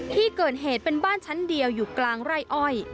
ที่เกิดเหตุเป็นบ้านชั้นเดียวอยู่กลางไร่อ้อย